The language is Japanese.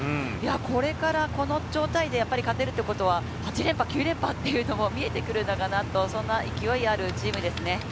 これからこの状態で勝てるということは８連覇、９連覇というのも見えてくるのかなと、そんな勢いあるチームですね。